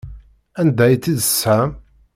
Anda ay tt-id-tesɣam?